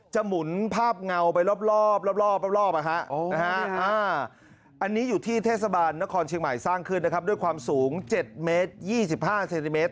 หมุนภาพเงาไปรอบอันนี้อยู่ที่เทศบาลนครเชียงใหม่สร้างขึ้นนะครับด้วยความสูง๗เมตร๒๕เซนติเมตร